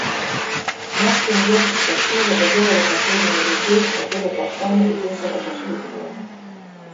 Машкин Верх скосили, доделали последние ряды, надели кафтаны и весело пошли к дому.